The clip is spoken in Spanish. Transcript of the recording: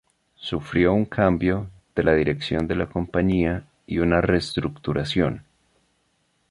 Sufrió un cambio de la dirección de la compañía y una restructuración.